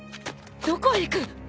どこへ行く！？